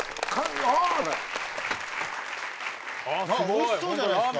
おいしそうじゃないっすか。